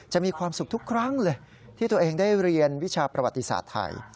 มีความสุขทุกครั้งเลยที่ตัวเองได้เรียนวิชาประวัติศาสตร์ไทย